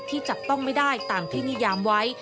ที่จับต้องไม่ได้ตามที่นิยามไว้